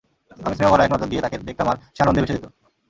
আমি স্নেহ ভরা এক নজর দিয়ে তাকে দেখতাম আর সে আনন্দে ভেসে যেতো।